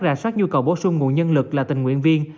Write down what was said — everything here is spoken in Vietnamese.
rà soát nhu cầu bổ sung nguồn nhân lực là tình nguyện viên